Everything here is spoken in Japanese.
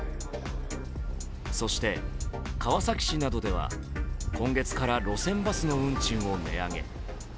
そして川崎市などでは今月から路線バスの運賃を値上げ。